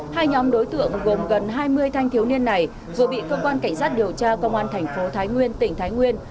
hai nhóm đối tượng gồm gần hai mươi thanh thiếu niên này vừa bị cơ quan cảnh sát điều tra công an thành phố thái nguyên tỉnh thái nguyên